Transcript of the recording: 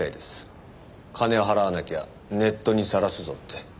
金を払わなきゃネットにさらすぞって。